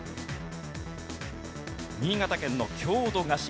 新潟県の郷土菓子。